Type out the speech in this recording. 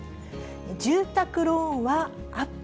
住宅ローンはアップ？